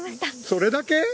それだけ！？